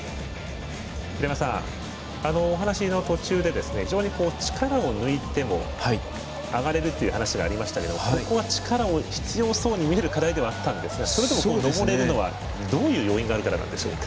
平山さん、お話の途中で非常に力を抜いても上がれるという話がありましたがここは力が必要そうな課題でもあったんですがそれでも登れるのはどういう要因があるからでしょうか？